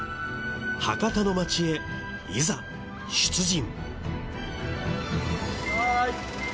博多の街へいざ出陣！